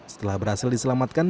setelah berhasil diselamatkan